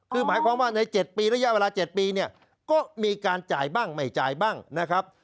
คือหมายความว่าใน๗ปีระยะเวลา๗ปีเนี่ยก็มีการจ่ายบ้างไม่จ่ายบ้างนะครับ